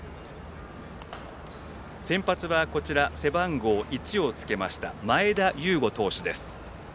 先発は背番号１をつけた前田悠伍投手。